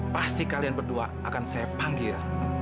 pasti kalian berdua akan saya panggil